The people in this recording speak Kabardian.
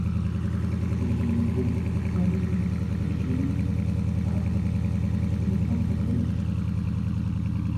Бдзэжьей хугу фӏыцӏэри плъыжьри лъапӏэщ икӏи гъуэтыгъуейщ.